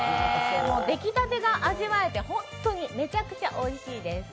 出来たてが味わえてめちゃくちゃ本当においしいです。